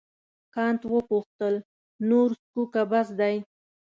کانت وپوښتل نور څښو که بس دی.